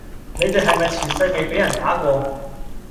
你地係咪前世未比人打過?